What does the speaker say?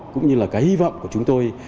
cũng như là cái hy vọng của chúng tôi